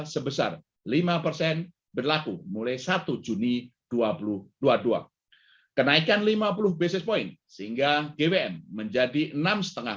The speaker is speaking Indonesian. sebesar lima persen berlaku mulai satu juni dua ribu dua puluh dua kenaikan lima puluh basis point sehingga gwm menjadi enam lima